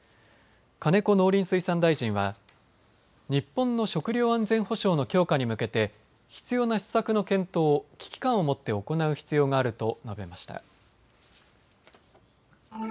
金子農林水産大臣は日本の食料安全保障の強化に向けて必要な施策の検討を危機感を持って行う必要があると述べました。